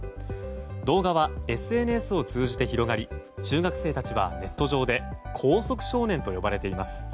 動画はＳＮＳを通じて広がり中学生たちはネット上で光速少年と呼ばれています。